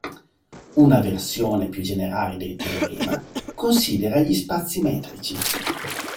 Una versione più generale del teorema considera gli spazi metrici.